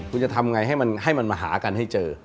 คุณจะทำไงให้มันมาหากันให้เจอ